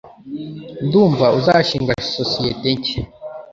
Ndumva uzashinga sosiyete nshya.